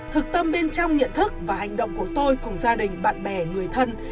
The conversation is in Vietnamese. thực tâm bên trong nhận thức và hành động của tôi cùng gia đình bạn bè người thân